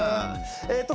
えっと